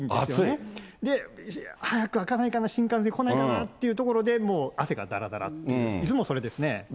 早く開かないかな、新幹線来ないかなっていうところでもう、汗がだらだらっていう、いつもそれですね。